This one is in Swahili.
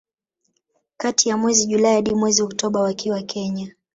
Kati ya mwezi Julai hadi mwezi Oktoba wakiwa Kenya